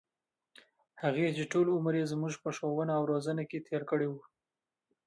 هغـې چـې ټـول عـمر يـې زمـوږ په ښـوونه او روزنـه کـې تېـر کـړى و.